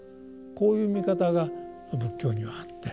こういう見方が仏教にはあって。